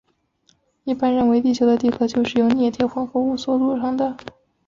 一般认为地球的地核就是由镍铁混合物所组成的。